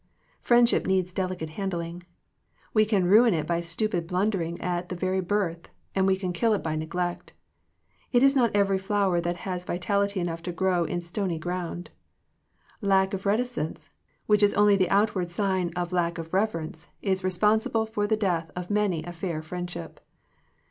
Friendship needs delicate handling. We can ruin it by stupid blundering at the very birth, and we can kill it by neglect. It is not every flower that has vitality enough to grow in stony ground. Lack of reticence, which is only the out ward sign of lack of reverence, is respon sible for the death of many a fair friend ship.